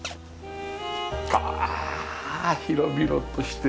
わあ広々として。